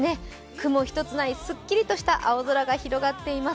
雲一つない、すっきりとした青空が広がっています。